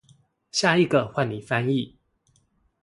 下一個換你翻譯